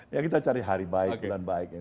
ya kita cari hari baik bulan baik